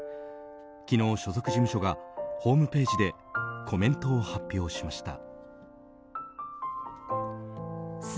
昨日、所属事務所がホームページでコメントを発表しました。